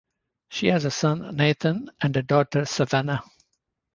She has a son, Nathan, and a daughter, Savannah.